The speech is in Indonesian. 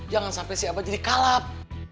jangan sampai si abah jadi kalap